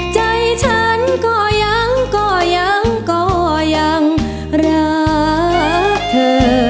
ใจฉันก็ยังก็ยังก็ยังรักเธอ